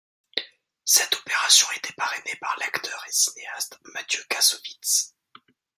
Cette opération était parrainée par l'acteur et cinéaste Mathieu Kassovitz.